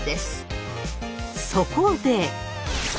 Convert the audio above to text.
そこで。